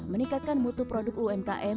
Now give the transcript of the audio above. meningkatkan mutu produk umkm